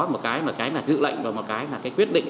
một cái là cái dự lệnh và một cái là cái quyết định